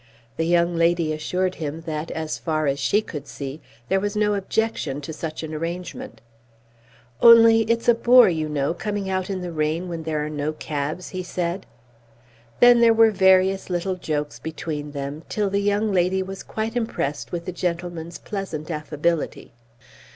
The young lady assured him that, as far as she could see, there was no objection to such an arrangement. "Only it's a bore, you know, coming out in the rain when there are no cabs," he said. Then there were various little jokes between them, till the young lady was quite impressed with the gentleman's pleasant affability.